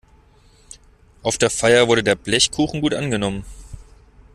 Auf der Feier wurde der Blechkuchen gut angenommen.